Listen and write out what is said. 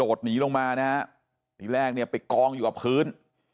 หนีลงมานะฮะทีแรกเนี่ยไปกองอยู่กับพื้น